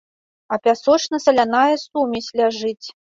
А пясочна-саляная сумесь ляжыць.